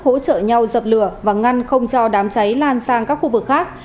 hỗ trợ nhau dập lửa và ngăn không cho đám cháy lan sang các khu vực khác